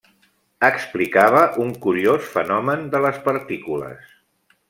Explicava un curiós fenomen de les partícules.